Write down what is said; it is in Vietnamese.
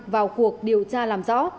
vào cuộc điều tra làm rõ